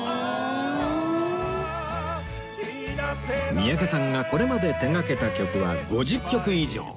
三宅さんがこれまで手掛けた曲は５０曲以上